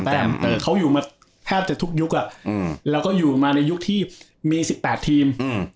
แต่เขาอยู่มาแทบจะทุกยุคแล้วก็อยู่มาในยุคที่มี๑๘ทีม